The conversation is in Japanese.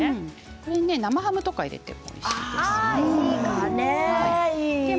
ここに生ハムを入れてもおいしいですね。